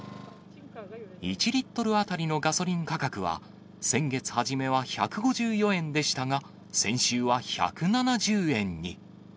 １リットル当たりのガソリン価格は、先月初めは１５４円でしたが、先週は１７０円に。